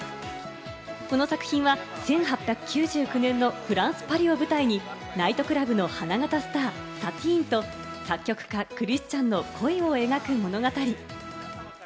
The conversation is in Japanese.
この作品は１８９９年のフランス・パリを舞台にナイトクラブの花形スター、サティーンと作曲家・クリスチャンの恋を描く物語。